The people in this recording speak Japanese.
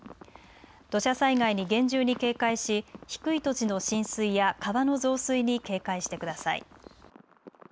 土砂災害に厳重に警戒し低い土地の浸水や川の増水に警戒してください。